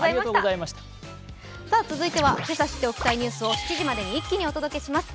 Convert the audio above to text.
続いてはけさ知っておきたいニュースを７時までに一気にお伝えします